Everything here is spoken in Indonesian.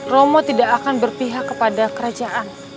romo tidak akan berpihak kepada kerajaan